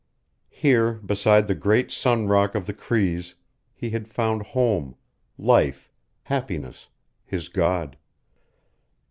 Here, beside the great Sun Rock of the Crees, he had found home, life, happiness, his God.